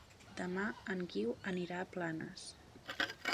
Demà en Guiu anirà a Planes.